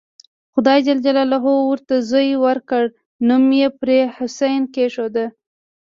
خدای ج ورته زوی ورکړ نوم یې پرې حسین کېښود.